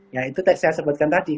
ya itu tadi saya sebutkan tadi